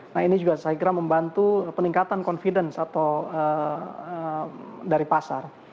nah ini juga saya kira membantu peningkatan confidence atau dari pasar